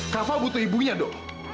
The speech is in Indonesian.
kava butuh ibunya do